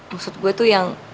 maksud gue tuh yang